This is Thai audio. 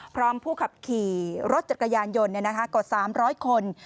ผู้ขับขี่รถจักรยานยนต์กว่า๓๐๐คน